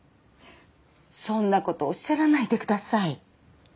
そんなことおっしゃらないでください。